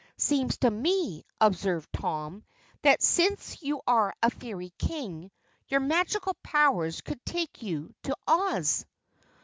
"Seems to me," observed Tom, "that since you are a Fairy King, your magic powers could take you to Oz."